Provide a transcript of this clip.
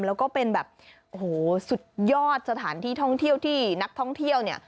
แล้วก็เป็นแบบโอ้โหสุดยอดสถานที่ท่องเที่ยวที่นักท่องเที่ยวเนี่ย